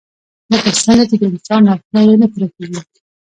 لکه څنګه چې د انسان اړتياوې نه پوره کيږي